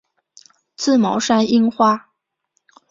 刺毛山樱花